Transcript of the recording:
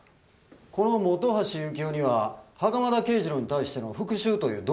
この本橋幸雄には袴田啓二郎に対しての復讐という動機があります。